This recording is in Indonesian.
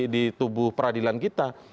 di tubuh peradilan kita